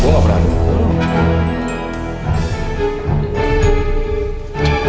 gue ga pernah liat lo